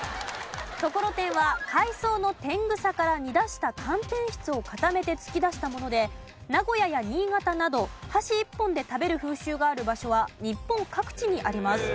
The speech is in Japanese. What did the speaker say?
ところてんは海藻の天草から煮出した寒天質を固めて突き出したもので名古屋や新潟など箸一本で食べる風習がある場所は日本各地にあります。